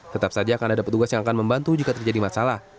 tetap saja akan ada petugas yang akan membantu jika terjadi masalah